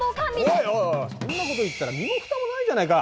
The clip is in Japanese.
おいおいそんなこと言ったら身もふたもないじゃないか！